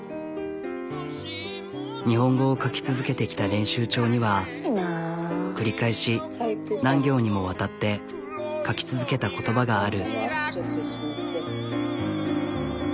日本語を書き続けてきた練習帳には繰り返し何行にもわたって書き続けた言葉がある。